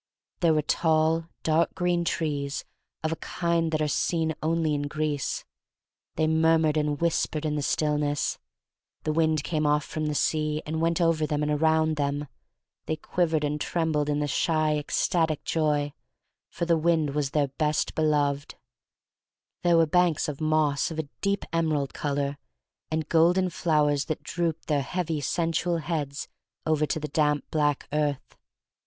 There were tall, dark green trees of kinds that are seen only in Greece. They murmured and whispered in the stillness. The wind came off from the sea and went over them and around them. They quivered and trembled in shy, ecstatic joy — for 195 196 THE STORY OF MARY MAC LANE the wind was their best beloved. There were banks of moss of a deep emerald color, and golden flowers that drooped their heavy sensual heads over to the damp black earth.